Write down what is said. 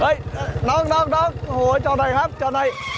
เฮ้ยน้องโอ้โหจอหน่อยครับจอหน่อย